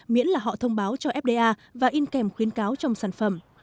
miễn là họ thông báo cho fda và in kèm khuyến cáo trong sản phẩm